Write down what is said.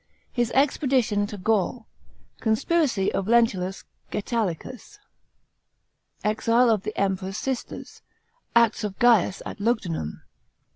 His expedition to Gaul. Conspiracy of Lentulus Gsetulicus. Exile of the Emperor's sisters. Acts of Gaius at Lugudunum.